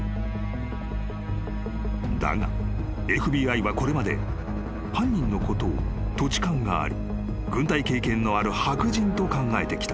［だがＦＢＩはこれまで犯人のことを土地勘があり軍隊経験のある白人と考えてきた］